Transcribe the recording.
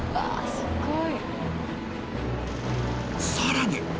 すごい！